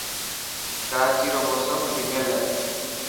ڪراچي رو موسم گهميل هي.